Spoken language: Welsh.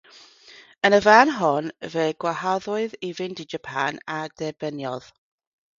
Yn y fan hon fe'i gwahoddwyd i fynd i Japan, a derbyniodd.